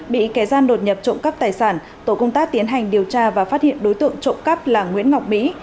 bị kẻ gian đột nhập trộm cắp tài sản tổ công tác tiến hành điều tra và phát hiện đối tượng trộm cắp là nguyễn ngọc mỹ